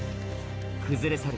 崩れ去る